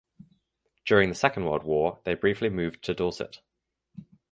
During the Second World War they briefly moved to Dorset.